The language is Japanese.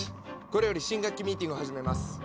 これより新学期ミーティングを始めます。